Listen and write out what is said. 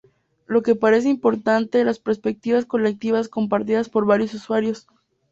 Lo que parece importante las perspectivas colectivas compartidas por varios usuarios.